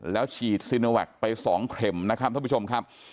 แล้วฉีดซีโนแวคไป๒เข็มนะครับท่านผู้ชมครับ